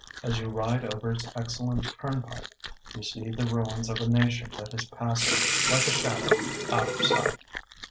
As you ride over its excellent turnpike, you see the ruins of a nation that is passing, like a shadow, out of sight.